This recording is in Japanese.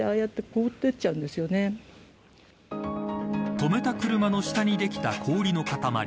止めた車の下に出来た氷の塊。